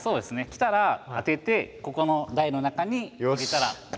来たら当ててここの台の中に入れたらＯＫです。